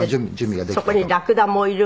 そこにラクダもいるわ馬も。